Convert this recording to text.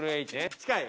近い？